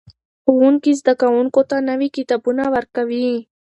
ښوونکي زده کوونکو ته نوي کتابونه ورکوي.